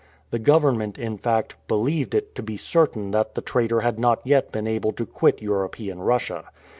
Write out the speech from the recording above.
The government, in fact, believed it to be certain that the traitor had not yet been able to quit European Russia.